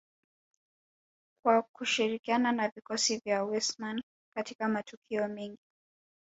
kwa kushirikiana na vikosi vya Wissmann katika matukio mengi